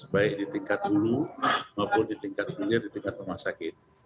baik di tingkat hulu maupun di tingkat hunian di tingkat rumah sakit